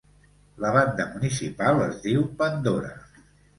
La banda municipal es diu "Pandora".